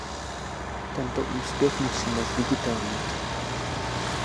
Tento úspěch musíme zviditelnit.